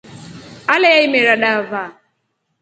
Aleya imera dava.